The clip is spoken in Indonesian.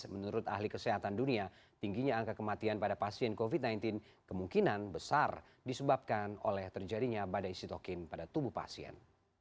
menurut ahli kesehatan dunia tingginya angka kematian pada pasien covid sembilan belas kemungkinan besar disebabkan oleh terjadinya badai sitokin pada tubuh pasien